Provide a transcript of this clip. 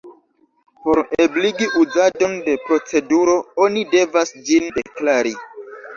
Por ebligi uzadon de proceduro oni devas ĝin "deklari".